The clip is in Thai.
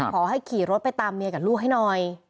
ขอให้ขี่รถไปตามเมียกับลูกให้หน่อย